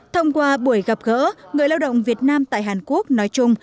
thông qua buổi gặp gỡ người lao động việt nam tại hàn quốc nói chung